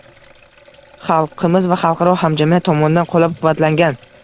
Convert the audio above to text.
Xalqimiz va xalqaro hamjamiyat tomonidan qoʻllab-quvvatlangan